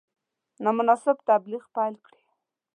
نامناسب تبلیغ پیل کړي.